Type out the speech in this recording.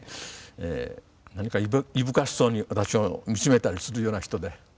何かいぶかしそうに私を見つめたりするような人で。